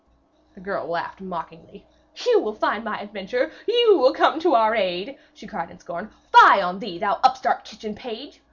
The girl laughed mockingly. 'You will finish my adventure you will come to our aid!' she cried in scorn. 'Fie on thee, thou upstart kitchen page!